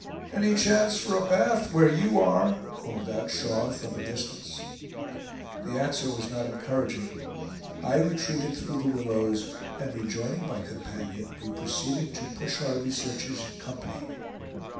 "Any chance for a bath, where you are?" called out Shaw, from a distance. The answer was not encouraging. I retreated through the willows, and rejoining my companion, we proceeded to push our researches in company.